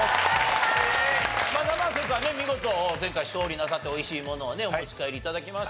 生瀬さんね見事前回勝利なさって美味しいものをねお持ち帰り頂きましたけど。